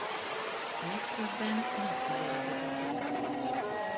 A legtöbben nappali ragadozók.